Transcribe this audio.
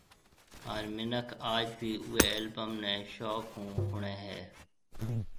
ھان منک آج بِي اوئي البم ني شوق ھونۿڻي ھيَََ